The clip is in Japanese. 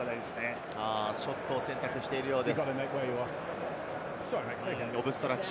セクストン、ショットを選択しているようです。